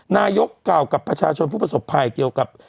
นายกกล่าวกับประชาชนผู้ประสบภัยเกี่ยวกับ